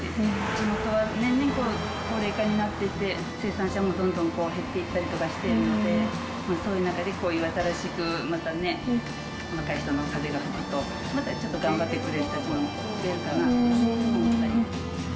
地元は年々高齢化になっていって、生産者もどんどん減っていったりとかしてるので、そういう中でこういう新しく、またね、若い人の風が吹くと、またちょっと頑張ってくれる人たちも増えるかなとか思ったり。